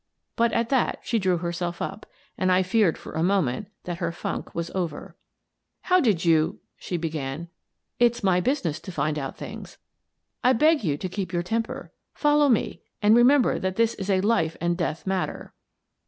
But at that she drew herself up, and I feared for a moment that her funk was over. " How did you —" she began. " It's my business to find out things. I beg you to keep your temper. Follow me — and remember that this is a life and death matter."